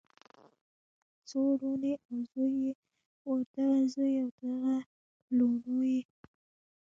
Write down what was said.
څو لوڼې او زوي یې وو دغه زوي او دغه لوڼو یی